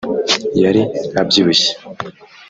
yari abyibushye